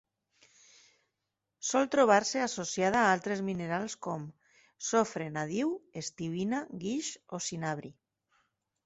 Sol trobar-se associada a altres minerals com: sofre nadiu, estibina, guix o cinabri.